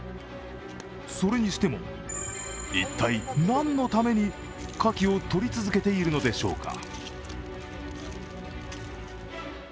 それにしても、一体何のためにカキをとり続けているのでしょうか。